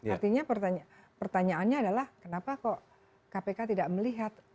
artinya pertanyaannya adalah kenapa kok kpk tidak melihat